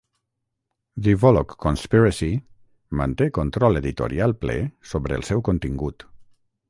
"The Volokh Conspiracy" manté control editorial ple sobre el seu contingut.